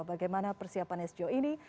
bagaimana persiapan sjo ini